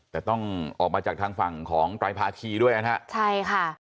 แต่ต้องออกมาจากทางฝั่งของไตรภาคีด้วยนะฮะใช่ค่ะ